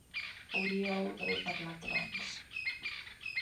Hauríeu d'haver parlat abans.